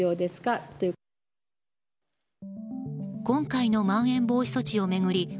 今回のまん延防止措置を巡り